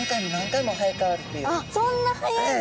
あっそんな早いの？